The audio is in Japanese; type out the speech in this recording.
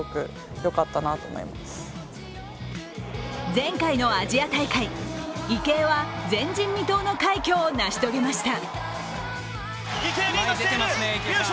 前回のアジア大会、池江は前人未到の快挙を成し遂げました。